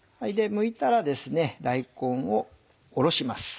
むいたらですね大根をおろします。